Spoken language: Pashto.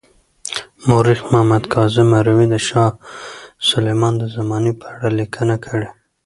مورخ محمد کاظم مروي د شاه سلیمان د زمانې په اړه لیکنه کړې.